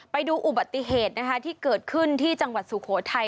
ไปดูอุบัติเหตุนะคะที่เกิดขึ้นที่จังหวัดสุโขทัย